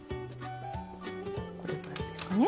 これぐらいですかね。